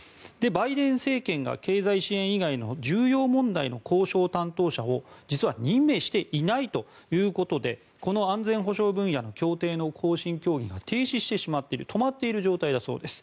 バイデン政権が経済支援以外の重要問題の交渉担当者を実は任命していないということでこの安全保障分野の協定の更新協議が止まっている状態だそうです。